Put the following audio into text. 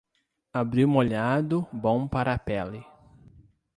Abril molhado, bom para a pele.